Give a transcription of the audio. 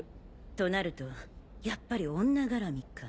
となるとやっぱり女絡みか。